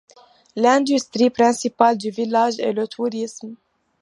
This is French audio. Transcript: L'industrie principale du village est le tourisme.